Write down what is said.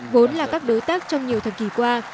vốn là các đối tác trong nhiều thập kỷ qua